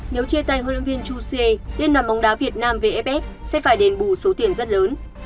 nếu chê tay huấn luyện viên chu xie tiên đoàn bóng đá việt nam vff sẽ phải đền bù số tiền rất lớn